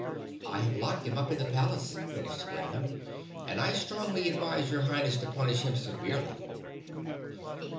"I have locked him up in the palace," finished Glinda, "and I strongly advise your Highness to punish him severely."